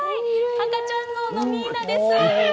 赤ちゃんゾウのミーナです！